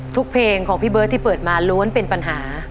เพลงของพี่เบิร์ตที่เปิดมาล้วนเป็นปัญหา